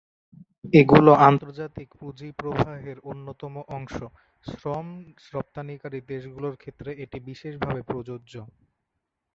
এগুলি আন্তর্জাতিক পুঁজি প্রবাহের অন্যতম অংশ; শ্রম-রপ্তানিকারী দেশগুলির ক্ষেত্রে এটি বিশেষভাবে প্রযোজ্য।